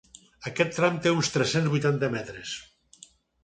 Aquest tram que té uns tres-cents vuitanta metres.